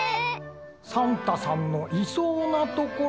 サンタさんのいそうなところ。